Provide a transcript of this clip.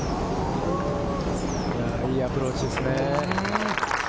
いいアプローチですね。